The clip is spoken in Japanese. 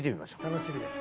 楽しみです。